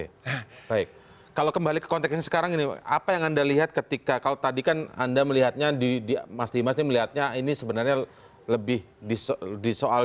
nah baik kalau kembali ke konteks ini sekarang apa yang anda lihat ketika kalau tadi kan anda melihatnya mas dimas ini melihatnya ini sebenarnya lebih disimpan